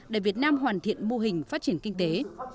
để việt nam hoàn thiện mô hình phát triển kinh tế